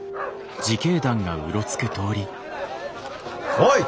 おい！